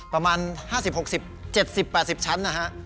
ประมาณ๕๐๖๐๗๐๘๐ชั้นนะฮะ